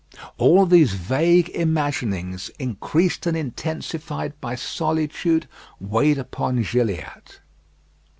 All these vague imaginings, increased and intensified by solitude, weighed upon Gilliatt.